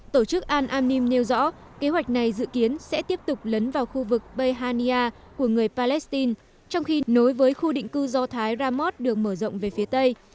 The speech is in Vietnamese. tổ chức al amim nêu rõ kế hoạch này dự kiến sẽ tiếp tục lấn vào khu vực bayhania của người palestine trong khi nối với khu định cư do thái ramos được mở rộng về phía tây